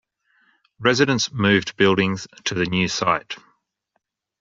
Residents moved buildings to the new site.